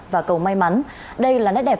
và cầu may mắn đây là nét đẹp